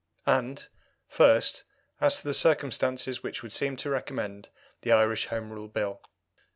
And, first, as to the circumstances which would seem to recommend the Irish Home Rule Bill.